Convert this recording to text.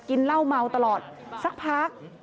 กินเหล้าเมาตลอดสักพัก